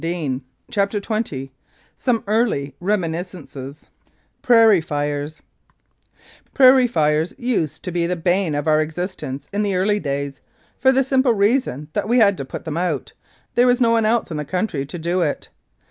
298 CHAPTER XX SOME EARLY REMINISCENCES PRAIRIE FIRES PRAIRIE fires used to be the bane of our existence in the early days, for the simple reason that we had to put them out there was no one else in the country to do it.